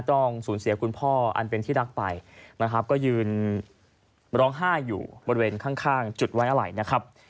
ต้องสูญเสียคุณพ่ออันเป็นที่รักไปนะครับก็ยืนร้องไห้อยู่บริเวณข้างจุดไว้อะไรนะครับ